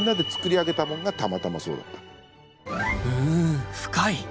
うん深い。